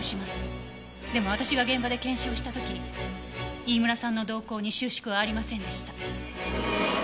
でも私が現場で検視をした時飯村さんの瞳孔に収縮はありませんでした。